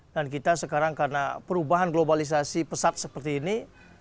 dan kita sekarang karena perubahan globalisasi pesat seperti ini